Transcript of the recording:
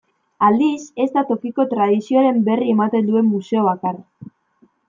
Aldiz, ez da tokiko tradizioaren berri ematen duen museo bakarra.